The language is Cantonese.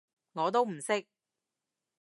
我都唔識